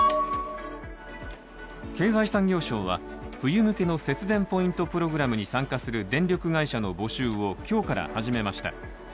経済産業省は冬向けの節電ポイントプログラムに参加する電力会社の募集を今日から始めました。